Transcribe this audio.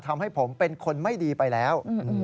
ทำให้ผมเป็นคนไม่ดีไปแล้ว